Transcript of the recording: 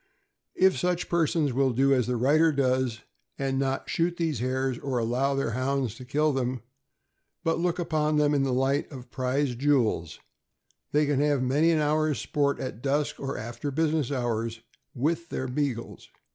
If such persons will do as the writer does, and not shoot these hares, or allow their Hounds to kill them, but look upon them in the light of prized jewels, they can have many an hour's sport, at dusk or after business hours, with their Beagles.